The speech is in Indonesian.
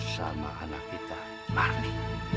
sama anak kita marni